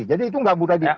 jadi itu tidak mudah di